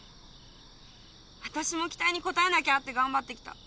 わたしも期待に応えなきゃって頑張ってきた。